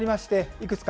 いくつか